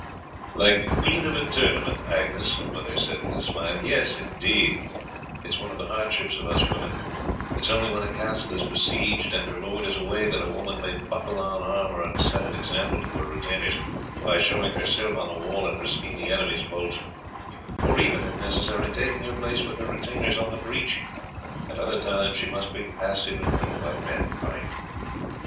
"Like the queen of a tournament, Agnes," her mother said with a smile. "Yes, indeed, it is one of the hardships of us women. It is only when a castle is besieged and her lord is away that a woman may buckle on armour and set an example to her retainers by showing herself on the wall and risking the enemies' bolts, or even, if necessary, taking her place with her retainers on the breach; at other times she must be passive and wait while men fight."